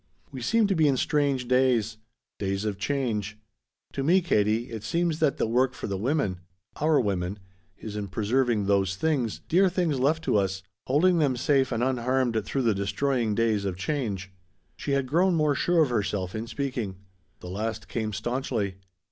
We seem to be in strange days. Days of change. To me, Katie, it seems that the work for the women our women is in preserving those things, dear things left to us, holding them safe and unharmed through the destroying days of change." She had grown more sure of herself in speaking. The last came staunchly.